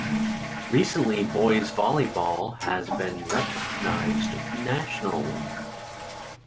Recently, boys' volleyball has been recognized nationally.